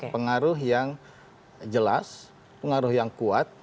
pengaruh yang jelas pengaruh yang kuat